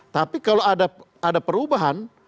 tapi kalau ada perubahan